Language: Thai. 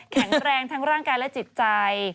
แข็งแรงทั้งร่างกายและจิตใจ